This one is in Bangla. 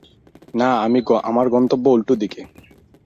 না, আমার গন্তব্য উল্টোদিকে।